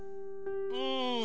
うん。